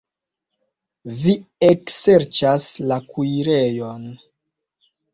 Vi ekserĉas la kuirejon.